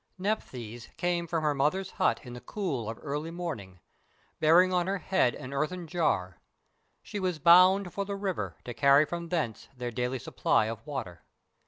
Nephthys came from her mother's hut in the cool of early morning, bearing on her head an earthen jar. She was bound for the river, to carry from thence their daily supply of water.